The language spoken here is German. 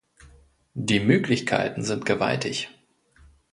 Die Möglichkeiten sind gewaltig.